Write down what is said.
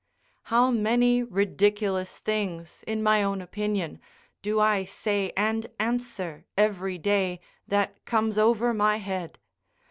How many ridiculous things, in my own opinion, do I say and answer every day that comes over my head?